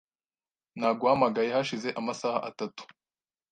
Naguhamagaye hashize amasaha atatu .